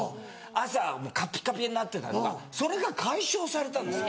朝カピカピになってたのがそれが解消されたんですよ。